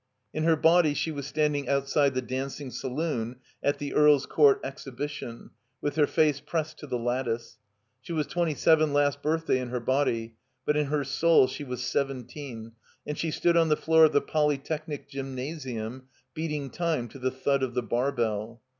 In her body she was standing outside the Dancing Saloon at the Earl's Court Exhibition, with her face pressed to the lattice; she was twenty seven last birthday in her body; but in her soul she was seventeen, and she stood on the floor of the Poly technic G}rmnasitun, beating time to the thud of the barbell.